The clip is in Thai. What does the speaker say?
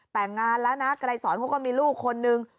แต่งงานแล้วนะไกรสอนเขาก็มีลูกคนนึง